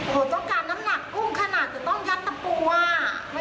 โอ้โหต้องการน้ำหนักกุ้งขนาดจะต้องยัดตะปูอ่ะไม่เข้าใจอ่ะ